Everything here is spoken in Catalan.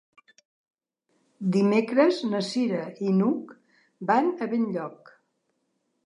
Dimecres na Cira i n'Hug van a Benlloc.